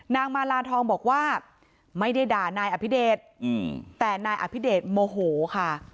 นางมาลาทองบอกว่าไม่ได้ด่านายอภิเดชแต่นายอภิเดชโมโหค่ะ